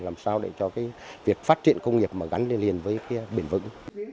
làm sao để cho việc phát triển công nghiệp gắn liền với bền vững